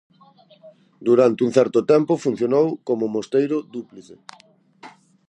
Durante un certo tempo funcionou como mosteiro dúplice.